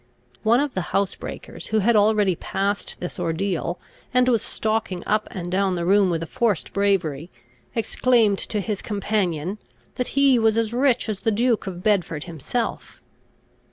One of the housebreakers, who had already passed this ordeal, and was stalking up and down the room with a forced bravery, exclaimed to his companion, that he was as rich as the Duke of Bedford himself.